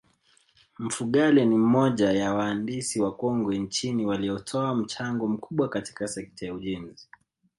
Mfugale ni moja ya waandisi wakongwe nchini waliotoa mchango mkubwa katika sekta ya ujenzi